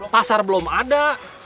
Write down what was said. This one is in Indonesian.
pasar belum ada